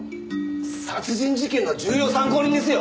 殺人事件の重要参考人ですよ？